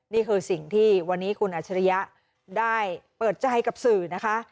นี่คือสิ่งที่วันนี้คุณอัชริยะได้เปิดใจกับสื่อนะคะ